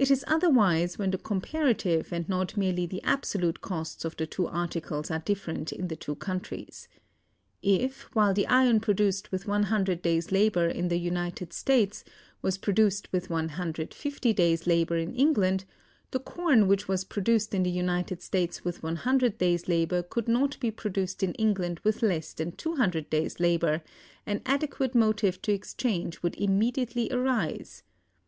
It is otherwise when the comparative and not merely the absolute costs of the two articles are different in the two countries. If, while the iron produced with 100 days' labor in the United States was produced with 150 days' labor in England, the corn which was produced in the United States with 100 days' labor could not be produced in England with less than 200 days' labor, an adequate motive to exchange would immediately arise.